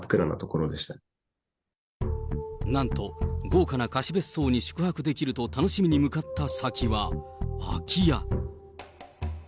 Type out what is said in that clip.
なんと、豪華な貸別荘に宿泊できると楽しみに向かった先は空き家。